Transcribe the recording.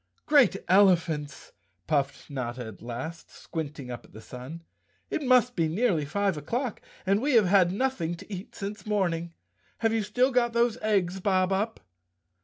"Great Elephants!" puffed Notta at last, squinting up at the sun. "It must be nearly five o'clock and we've had nothing to eat since morning. Have you still got those eggs, Bob Up?"